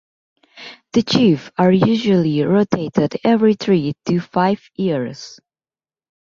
The chiefs are usually rotated every three to five years.